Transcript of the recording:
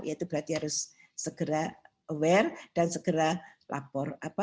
ya itu berarti harus segera aware dan segera lapor